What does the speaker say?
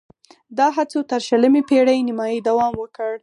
دا هڅو تر شلمې پېړۍ نیمايي دوام وکړ